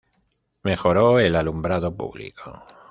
Mejoró el alumbrado público.